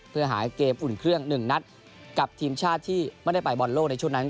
เพื่อหาเกมอุ่นเครื่องหนึ่งนัดกับทีมชาติที่ไม่ได้ไปบอลโลกในช่วงนั้น